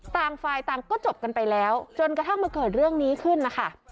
ต่างฝ่ายต่างก็จบกันไปแล้วจนกระทั่งมาเกิดเรื่องนี้ขึ้นนะคะ